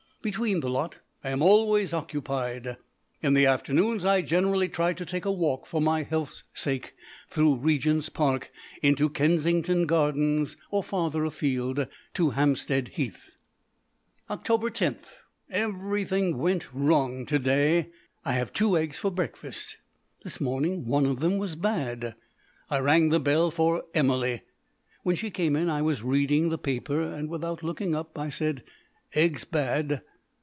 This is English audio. Between the lot I am always occupied. In the afternoons I generally try to take a walk for my health's sake, through Regent's Park, into Kensington Gardens, or farther afield to Hampstead Heath. Oct. 10. Everything went wrong to day. I have two eggs for breakfast. This morning one of them was bad. I rang the bell for Emily. When she came in I was reading the paper, and, without looking up, I said, "Egg's bad."